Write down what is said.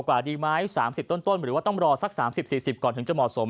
กว่าดีไหม๓๐ต้นหรือว่าต้องรอสัก๓๐๔๐ก่อนถึงจะเหมาะสม